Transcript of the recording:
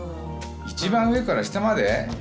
一番上から下まで？